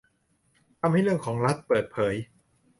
ทำให้เรื่องของรัฐเปิดเผย